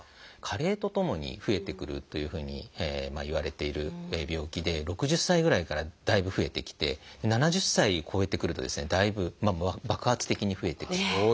加齢とともに増えてくるというふうにいわれている病気で６０歳ぐらいからだいぶ増えてきて７０歳超えてくるとですねだいぶ爆発的に増えてくると。